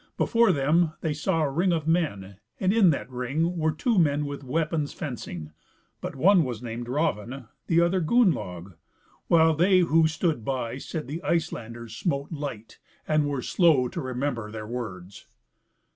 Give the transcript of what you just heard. before them they saw a ring of men, and in that ring were two men with weapons fencing; but one was named Raven, the other Gunnlaug, while they who stood by said that Icelanders smote light, and were slow to remember their words.